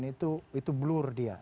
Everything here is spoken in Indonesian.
presiden itu blur dia